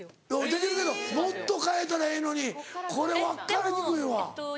できるけどもっと変えたらええのにこれ分かりにくいわ。